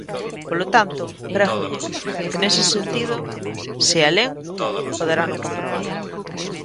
Polo tanto, prégolle que, nese sentido, se a len, poderano comprobar.